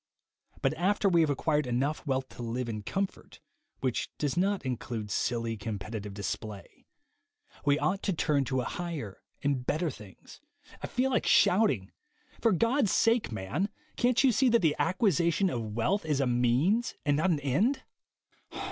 But after we have acquired enough wealth to live in comfort (which does not include silly competitive display), THE WAY TO WILL POWER 53 we ought to turn to higher and better things. I feel like shouting: For God's sake, man, can't you see that the acquisition of wealth is a means and not an end?